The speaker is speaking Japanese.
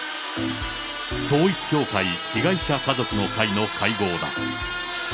統一教会被害者家族の会の会合だ。